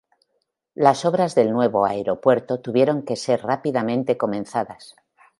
Las obras del nuevo aeropuerto tuvieron que ser rápidamente comenzadas.